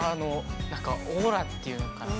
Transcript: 何かオーラっていうのかな。